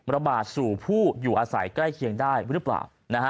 ระบาดสู่ผู้อยู่อาศัยใกล้เคียงได้หรือเปล่า